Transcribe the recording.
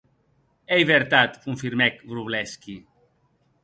Ei vertat, confirmèc Wroblewsky.